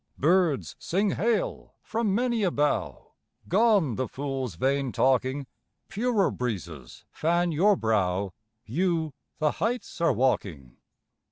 Birds sing Hail! from many a bough, Gone the fools' vain talking, Purer breezes fan your brow, You the heights are walking.